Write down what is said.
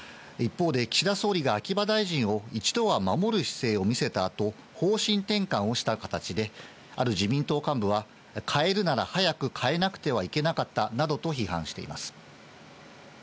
一方で岸田総理が秋葉大臣を一度は守る姿勢を見せたあと方針転換をした形である自民党幹部はかえるなら早くかえなくてはいけなかったなどと批判しています。